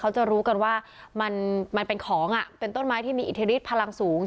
เขาจะรู้กันว่ามันเป็นของเป็นต้นไม้ที่มีอิทธิฤทธิพลังสูง